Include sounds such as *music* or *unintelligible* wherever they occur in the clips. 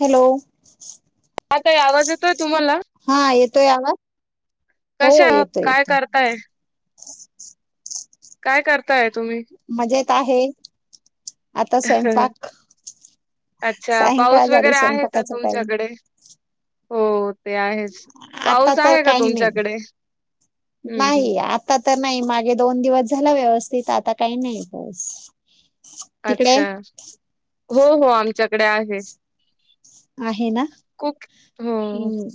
Hello! *inaudible* हा ताई आवाज येतोय तुम्हाला? हा येतोय आवाज? हो कशा आहात? येतोय काय येतोय. करताय? काय करताय तुम्ही? मजेत आहे. आता स्वयंपाक. अच्छा! सायंकाळ पाऊस झाली वगैरे आहे का स्वयंपाकाचा टाइम तुमच्याकडे? हो- ते आहेच आता पाऊस तर आहे का काही नाही तुमच्याकडे? हम् हम् नाही आता तर नाही मागे दोन दिवस झाला व्यवस्थित आता काही नाही पाऊस. तिकडे अच्छा! हो हो आमच्याकडे आहे. आहे ना कुक हम हम्म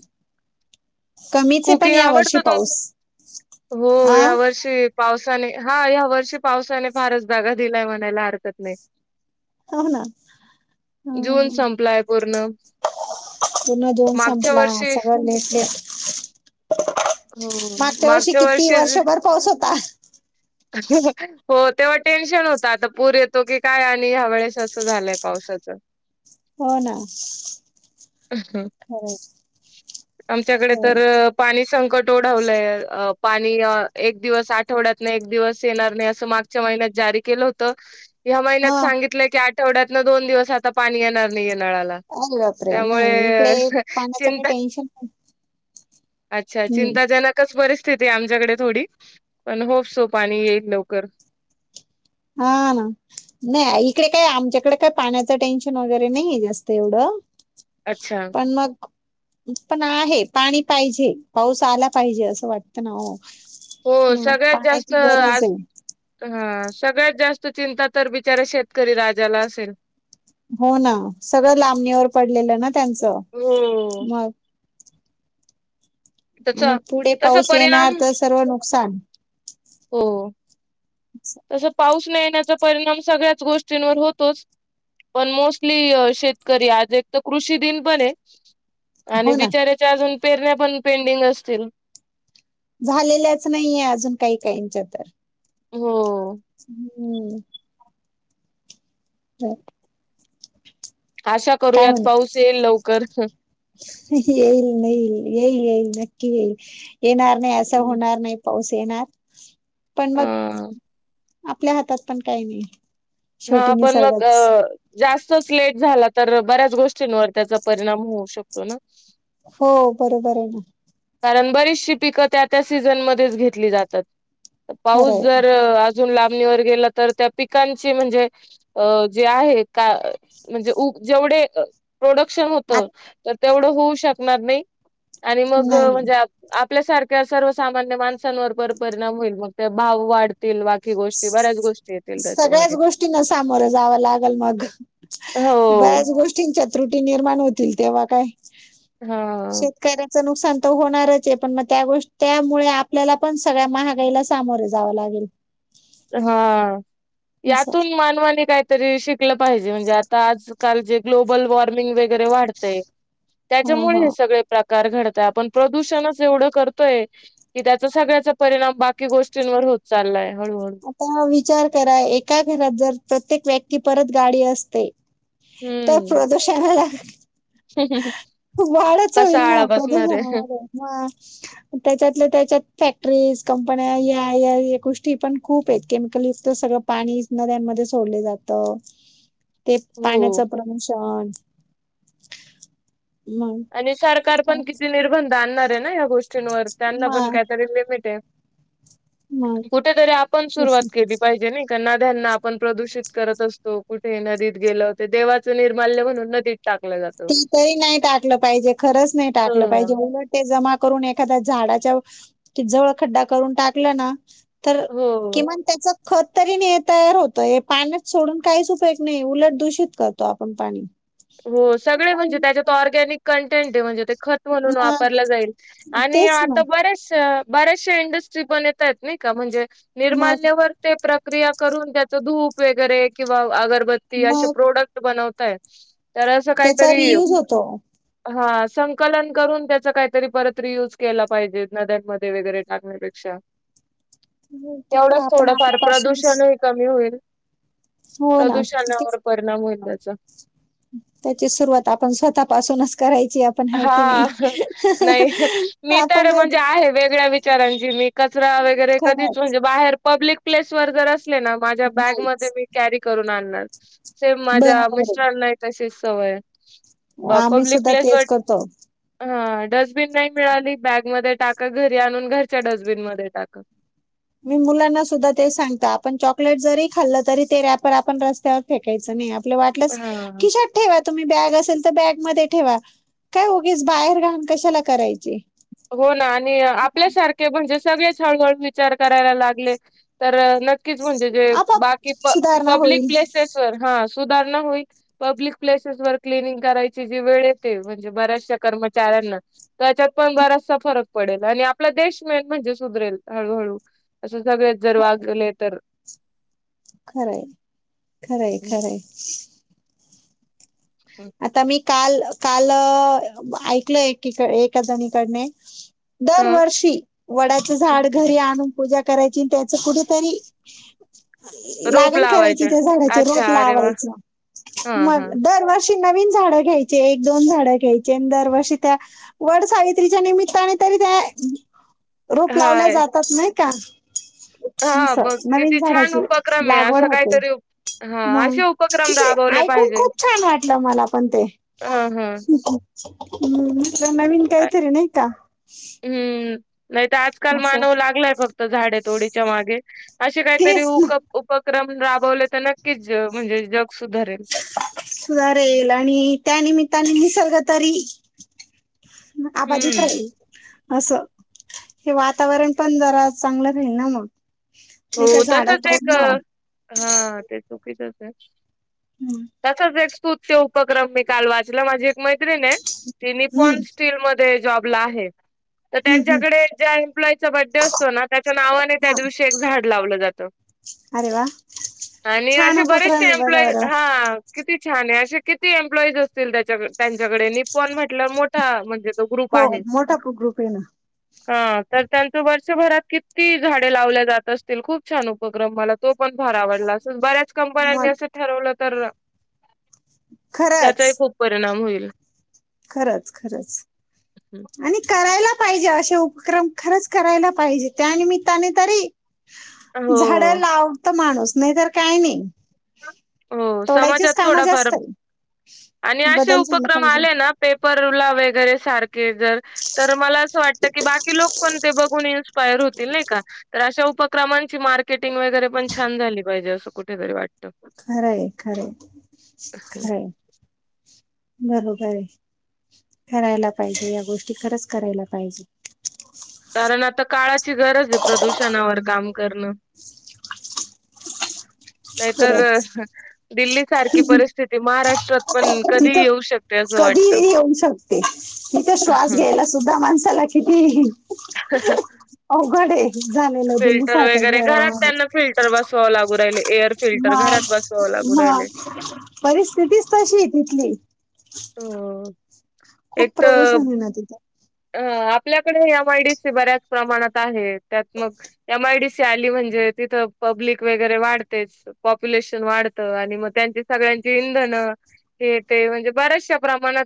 कमीच आहे पण कुकिंग या वर्षी आवडत पाऊस तुम्हाला? हो हा यावर्षी- पावसाने, हा या वर्षी पावसाने फारच धगा दिलाय म्हणायला हरकत नाही. हो ना जुन ह संपलाय पूर्ण. पूर्ण जुन मागच्या संपला, वर्षी सगळं लेट-लेट *inaudible* मागच्या वर्षी किती वर्षभर पाऊस होता? हो, तेव्हा टेन्शन होत, आता पूर येतो की काय, आणि या वेळेस असं झालंय पावसाचं. हो ना. खरंच आमच्याकडे तर खरंच पाणी संकट ओढवलंय. अ पाणी एक दिवस आठवड्यात एक दिवस येणार नाही. अस मागच्या महिन्यात जारी केलं होत. या हा महिन्यात सांगितलं की आठ आठवढ्यात ना दोन दिवस आता पाणी येणार नाही नळाला. अरे बापरे! नाही इकडे त्यामुळे पाण्याचं काही चिंता टेन्शन नाही अच्छा, हं. चिंताजनकच परिस्थिती आहे. आमच्याकडे थोडी, पण हो सो पाणी येईल लवकर. हा ना, नाही इकडे काय आमच्याकडे काही पाण्याचं टेन्शन वगैरे नाही जास्त एवढं अच्छा. पण मग पण आहे. पाणी पाहिजे, पाऊस आला पाहिजे असं वाटतं ना हो. हो, मग सगळ्यात जास्त पाण्याची गरज आज आहे. हा, सगळ्यात जास्त चिंता तर बिचऱ्या शेतकरी राजाला असेल. हो ना, सगळं लांबणीवर पडलेलं ना त्यांच हो. मग आणि त्याचा पुढे तसा पाऊस येणार परिणाम तर सर्व नुकसान. हो, तस पाऊस न येण्याचा परिणाम सगळ्याच गोष्टींवर होतोच. पण मोस्टली शेतकरी, आज एक तर कृषी दिन पण आहे. आणि हो ना. बिचऱ्याच्या अजून पेरण्या पण पेंडिंग नसतील. झालेल्याच नाहीये अजून काही काहीच्या तर. हो. हम्म. हो. आशा काय करूयात म्हणता? पाऊस येईल लवकर. येईल, नाहील येईल, येईल नक्की येईल, येणार नाही असं होणार नाही पाऊस येणार. पण मग अ आपल्या हातात पण काही नाही. हा शेवटी पण मग निसर्गच अ जास्तच लेट झाला तर बऱ्याच गोष्टींवर त्याचा परिणाम होऊ शकतो ना. हो बरोबर आहे ना. कारण बरीचशी पिकं त्या-त्या सीझन मध्येच घेतली जातात. पाऊस खरंय जर अजून लांबणीवर गेला तर त्या पिकां ची म्हणजे जे आहे का, म्हणजे ऊब जेवढे प्रोडक्शन होत. आ तर तेवढं होऊ शकणार नाही. आणि मग नाही म्हणजे आपल्यासारख्या सर्वसामान्य माणसांवर पण परिणाम होईल मग ते भाव वाढत तील बाकी गोष्टी बऱ्याच गोष्टी येतील त्याच्या माग. गोष्टी ना सामोर जाव लागेल मग, हो बऱ्याच गोष्टी तीनच्या त्रुटी निर्माण होतील तेव्हा काय? हा. शेतकऱ्यांचं नुकसान तर होणारच आहे. पण मग त्या गोष्ट त्यामुळे आपल्याला पण सगळ्या महागाईला सामोरे जावं लागेल. हा असं यातून मानवाने काय तरी शिकलं पाहिजे म्हणजे आता आजकाल जे ग्लोबल वॉर्मिंग वगैरे वाढतंय हा त्याच्यामुळे हा हे सगळे प्रकार घडताय आपण प्रदूषणच एवढं करतोय कि त्याचा सगळ्याचा परिणाम बाकी गोष्टींवर होत चाललाय हळूहळू तो विचार करा एका घरात जर प्रत्येक व्यक्ती परत गाडी असते तर हम्म प्रदूषणाला वाढच कसा होईल ना आळा बसणार आहे प्रदुषणामध्ये हा त्याच्यातल्या त्याच्यात फॅक्टरीज कंपन्या या या ये गोष्टी पण खूप आहेत केमिकल युक्त सगळं पाणी नद्यांमध्ये सोडले जातं ते हो. पाण्याचं प्रदूषण मग आणि सरकार पण किती निर्बंध आणणार आहे ना या गोष्टींवर त्यांना पण मग काहीतरी लिमिट आहे मग कुठेतरी आपण सुरुवात तसं. केली पाहिजे नाही त्या नद्यांना आपण प्रदूषित करत असतो, कुठे नदीत गेलो ते देवाचं निर्माल्य म्हणून नदीत टाकलं जात ते तरी नाही टाकलं पाहिजे खरंच नाही टाकलं पाहिजे हो उलट ते जमा करून एखाद्या झाडाच्या जवळ खड्डा करून टाकलं ना तर हो. किमान त्याच खत तरी ने तयार होत हे पाण्यात सोडून काहीच उपयोग नाही उलट दूषित करतो आपण पाणी. हो सगळे म्हणजे त्याच्यात ऑर्गॅनिक कंटेंट आहे म्हणजे ते खत म्हणून मग वापरलं जाईल आणि तेच ना आता मी बरेचश्या बऱ्याचशा इंडस्ट्री पण येत आहेत नाही का म्हणजे मग निर्माल्यावर ते प्रक्रिया करून त्याच धूप वगैरे किंवा अगरबत्ती असे मग प्रोडक्ट बनवताहेत तर असं त्याचा काहीतरी रियूज होतो हा संकलन करून त्याचा काहीतरी परत रियूज केला पाहिजे नद्यांमध्ये वगैरे टाकण्यापेक्षा ते काय एवढंच आपण थोडफार आपल्यापासून प्रदूषण कमी होईल. हो ना ते प्रदूषणावर परिणाम होईल त्याचा त्याची सुरुवात आपण स्वतः पासूनच करायची आपण आहे कि हा नाही नाही मी आपण तर म्हणजे आहे वेगळ्या विचारांची मी कचरा वगैरे कधीच खरंच म्हणजे बाहेर पब्लिक प्लेस वर जर असले ना माझ्या बॅग नाही मध्ये मी कॅरी करून आणणार सेम माझ्या बरोबर मिस्टरांना ही तशीच सवय आहे, आम्ही पब्लिक सुद्धा प्लेसवर *inaudible* हा डस्टबिन नाही मिळाली बॅगमध्ये टाका घरी आणून घरच्या डस्टबिन मध्ये टाका मी मुलांना सुद्धा ते सांगत आपण चॉकलेट जरी खाल्लं तरी ते रॅपर आपण रस्त्यावर फेकायचं नाही आपल्याला वाटलंच हा खिशात ठेवा तुम्ही बॅग असेल तर बॅगमध्ये ठेवा काय ऊगीस बाहेर घाण कशाला करायची. हो ना आणि आपल्यासारखे म्हणजे सगळेच हळूहळू विचार करायला लागले तर नक्कीच म्हणजे जे आपाप बाकी प सुधारणा पब्लिक होईल प्लेसेस सुधा हा सुधारणा होईल. पब्लिक प्लेसेस वर क्लिनिंग करायची जी वेळ येते म्हणजे बऱ्याचशा कर्मचाऱ्यांना त्याच्यात पण बराचसा फरक पडेल आणि आपला देश मेन म्हणजे सुधरेल हळूहळू असं सगळेच जर वागले तर खरंय खरंय खरंय आता मी काल काल ऐकल एकी एका जणीकडने हा. दरवर्षी वडाचं झाड घरी आणून पूजा करायची त्याच कुठेतरी रोप लागण करायची लावायचे त्या झाडाचे अच्छा रोप अरे वा लावायच हा हा मग दरवर्षी नवीन झाड घ्यायचे एक दोन झाड घ्यायचे दरवर्षी त्या वड सावित्रीच्या निमित्ताने तरी त्या रूप लावल्या हाय. जातात नाही का? नस हा बघ नवीन किती छान झाडाची उपक्रम आहे लागवड अशा होते. काहीतरी हा मग असे उपक्रम तिथ राबवले ऐकून पाहिजे. खूप छान वाटलं. मला पण ते, हां, हां. तर नवीन कायतर नाही का? हम् नाही तर आजकाल असं मानव लागलाय फक्त झाडे तोडीच्या मागे असे तेच ना काहीतरीऊक उपक्रम राबवले तर नक्कीच म्हणजे जग सुधारेल सुधारेल आणि त्यानिमित्ताने निसर्ग तरी आबाजी *unintelligible* हम्म का असं हे वातावरण पण जरा चांगलं राईल ना मग. हो नाही तर झाडं तसच एक तोडणं हा ते चुकीचच आहे हम्म तसच रू उपक्रम मी काल वाचला माझी एक मैत्रीिण आहे ति हम्म पन स्टील म ते जॉब ला आहे तर हम्म हम्म. त्यांच्याकडे ज्या एम्प्लॉईचा बड्डे असतो ना त्याच्या नावाने त्या हा दिवशी एक झाड लावलं जातं. अरे वा आणि छान असे उपक्रम बरेचसे आहे बघा एम्प्लॉई बरं हा किती छान आहे असे किती एम्प्लॉईज असतील त्याच्या त्यांच्याकडे नि पण म्हटलं मोठा म्हणजे तो ग्रुप हो आहे मोठा ग्रुप आहे ना हा तर त्यांच वर्षभरात किती झाडे लावल्या जातात असतील खूप छान उपक्रम मला तो पण फार आवडला अस बऱ्याच कंपन्यांनी मग असं ठरवलं तर खरंच त्याचाही खूप परिणाम होईल. खरंच खरंच. आणि करायला पाहिजे असे उपक्रम खरंच करायला पाहिजे त्यानिमित्ताने तरी हो. झाडाला आवडत माणूस नाहीतर काय नाही हो समाजात तोडायचीच कामं थोडाफार जास्त आहे आणि असे बदल झाला उपक्रम पाहिजे आले ना पेपर ला वगैरे सारखे जर तर मला असं वाटतं की बाकी लोक पण ते बघून इन्स्पायर होतील नाही का? तर अशा उपक्रमांची मार्केटिंग वगैरे पण छान झाली पाहिजे असं कुठेतरी वाटतं. खरं आहे खरं खरं आहे बरोबर आहे. ठरायला पाहिजे या गोष्टी खरंच करायला पाहिजे. कारण आता काळाची गरज आहे प्रदूषणावर काम करणं. नाहीतर खरंच दिल्ली सारखी परिस्थिती महाराष्ट्रात पण कधी तिथं येऊ शकत कधी येऊ शकते तीथ श्वास घ्यायला सुद्धा माणसाला किती *unintelligible* अवघड आहे झालेल दिल्ली सारख्या फेराव र बसवा लागू राहिले एअर फिल्टर घरात मग बसवां लागू म राहिले परिस्थितीच तशीये तिथली. हो एक खूप तर प्रदूषण होणार तिथं. अ आपल्याकडे एम आय डी सी बऱ्याच प्रमाणात आहे. त्यात मग. एम आयडी सी आली म्हणजे तिथं पब्लिक वगैरे वाढतेच. पॉप्युलेशन वाढतं. आणि मग त्यांची सगळ्यांची इंधन हे ते म्हणजे बऱ्याचशा प्रमाणात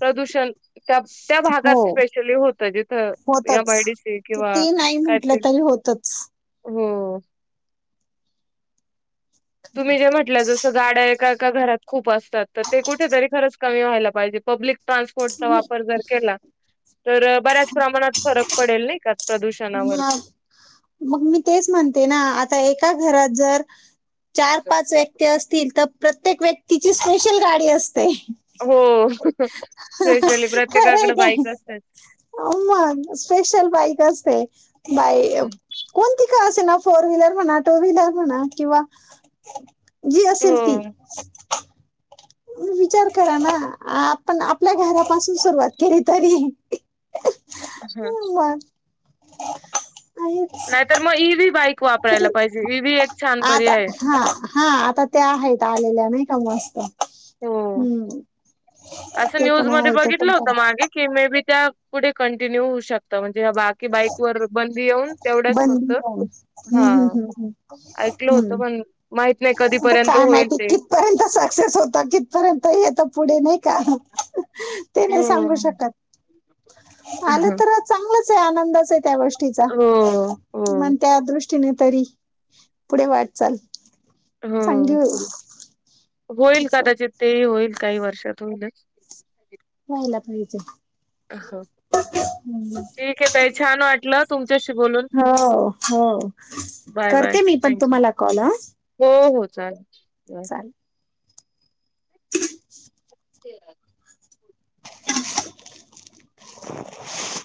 प्रदूषण त्या त्या भागात हो ते लई होत जिथ एम होतच आयडी सी किंवा किती नाही म्हटलं कायतरी तरी होतच हो तुम्ही जे म्हटल जस गाड्या एका एका घरात खूप असतात तर ते कुठेतरी खरच कमी व्हायला पाहिजे पब्लिक ट्रान्सपोर्टचा मी वापर जर केला तर बऱ्याच प्रमाणात फरक पडेल नाही का प्रदूषणावर मग मग मी तेच म्हणते ना आता एका घरात जर चार पाच व्यक्ती असतील, तर प्रत्येक व्यक्तीची स्पेशल गाडी असते. हो स्पेशली खरंय प्रत्येकाकडे काय बाईक असतेच. मग स्पेशल बाईक असते. बाई कोणती का असे ना फोर व्हीलर म्हणा टू व्हीलर म्हणा, किंवा जी असेल ती हो *inaudible* विचार करा ना आपण आपल्या घरापासून सुरुवात केली तरी *unintelligible* *unintelligible* आहेच नाही तर म ई व्ही बाईक कुठे वापरायला पाहिजे, इ व्ही एक छान आता पर्याय ये. हा हा आता त्या आहेत आलेल्या नाही का मस्त हो हम्म अस ते न्यूज पण मध्ये आहे तो बघितल पण होत कर मागे की मे बी त्या पुढे कंटिन्यू होऊ शकता, म्हणजे बाकी बाईक वर बं दि येऊन तेवढ्याच फक्त, बंदी आहे. हम्म, हा हम्म, हम्म, हम्म, ऐकल होतं हम्म. पण. माहित नाही कधीपर्यंत होईल ते पर्यंत सक्सेस होता, कितपर्यंत येत पुढे नायी का ते नाही हो. सांगू शकत. आलं ह तर चांगलंच आहे आनंदच आहे त्या गोष् ष्टीचा हो हो किमान त्या दृष्टीने तरी पुढे वाटचाल. हो *unintelligible* होईल, असं. कदाचित तेही होईल काही वर्षात होईलच व्हायला पाहिजे हम्म. ठीक ये ताई. छान वाटल हं तुमच्याशी बोलून हो हो बाय बाय करते मी पण थँक्यू तुम्हाला कॉल ह हो हो चालेल *inaudible* *inaudible* *unintelligible*